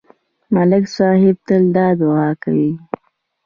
ملک صاحب تل دا دعا کوي